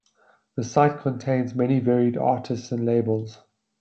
The site contains many varied artists and labels.